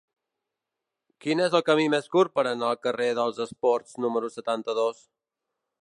Quin és el camí més curt per anar al carrer dels Esports número setanta-dos?